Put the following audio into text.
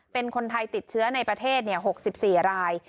เป็นคนไทยติดเชื้อในประเทศ๖๔ราย